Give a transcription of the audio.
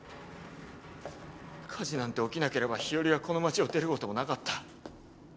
火事なんて起きなければ日和はこの町を出る事もなかった。